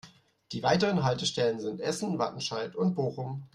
Die weiteren Haltestellen sind Essen, Wattenscheid und Bochum.